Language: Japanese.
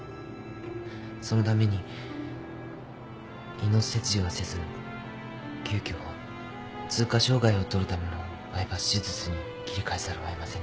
そのために胃の切除はせず急きょ通過障害を取るためのバイパス手術に切り替えざるをえませんでした。